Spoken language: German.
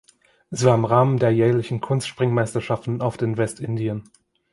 Sie war im Rahmen der jährlichen Kunstspringmeisterschaften oft in Westindien.